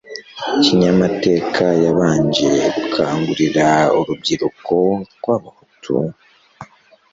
kinyamateka yabanje gukangurira urubyiruko rw'abahutu